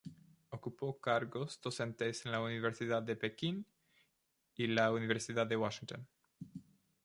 Ocupó cargos docentes en la Universidad de Pekín y la Universidad de Washington.